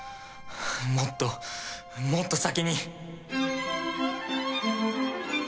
もっともっと先に